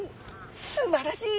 すばらしい！